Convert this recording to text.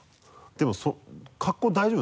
でもその格好大丈夫？